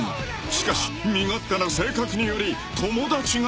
［しかし身勝手な性格により友達がいない］